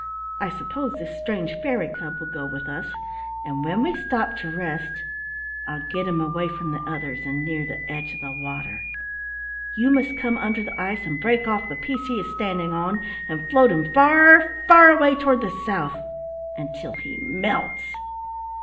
I suppose this strange fairy cub will go with us, and when we stop to rest I'll get him away from the others and near the edge of the water. You must come under the ice and break off the piece he is standing on, and float him far, far away toward the South until he melts."